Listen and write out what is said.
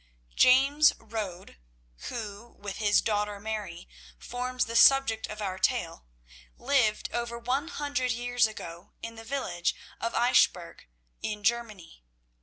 James Rode, who, with his daughter Mary, forms the subject of our tale, lived over one hundred years ago in the village of Eichbourg, in Germany.